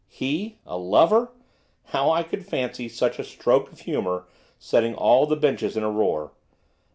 He a lover! how I could fancy such a stroke of humour setting all the benches in a roar.